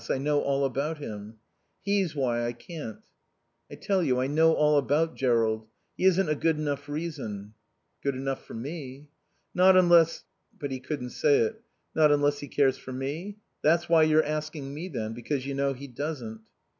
I know all about him." "He's why I can't." "I tell you, I know all about Jerrold. He isn't a good enough reason." "Good enough for me." "Not unless " But he couldn't say it. "Not unless he cares for me. That's why you're asking me, then, because you know he doesn't."